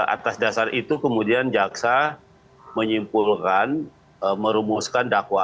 atas dasar itu kemudian jaksa menyimpulkan merumuskan dakwaan